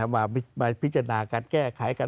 มาพิจารณาการแก้ไขกัน